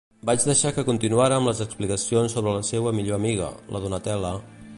Vaig deixar que continuara amb les explicacions sobre la seua millor amiga, la Donatella...